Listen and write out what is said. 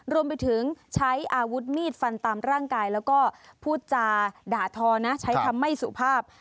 รวมไปถึงใช้อาวุธมีดฟันตามร่างกายแล้วก็พูดจาด่าทอนะใช้คำไม่สุภาพ